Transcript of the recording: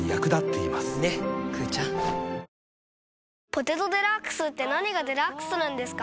「ポテトデラックス」って何がデラックスなんですか？